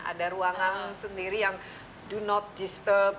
ada ruangan sendiri yang do not gystem